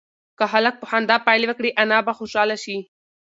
که هلک په خندا پیل وکړي انا به خوشحاله شي.